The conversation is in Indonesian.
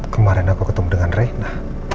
kemarin aku ketemu dengan reina